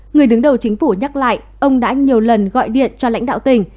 người đứng đầu chính phủ nhắc lại ông đã nhiều lần gọi điện cho lãnh đạo tỉnh